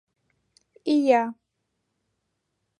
«Ия»...